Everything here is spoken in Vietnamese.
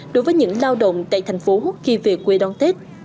đối với những lao động tại thành phố khi về quê đón tết